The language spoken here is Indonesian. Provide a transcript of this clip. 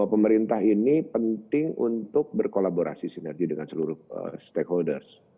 pemerintah ini penting untuk berkolaborasi sinergi dengan seluruh stakeholders